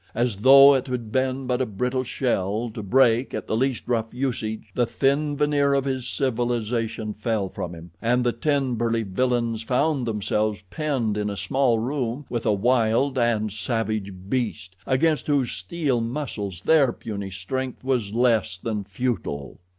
As though it had been but a brittle shell, to break at the least rough usage, the thin veneer of his civilization fell from him, and the ten burly villains found themselves penned in a small room with a wild and savage beast, against whose steel muscles their puny strength was less than futile.